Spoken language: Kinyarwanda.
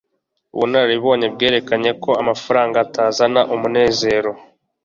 ubunararibonye bwerekanye ko amafaranga atazana umunezero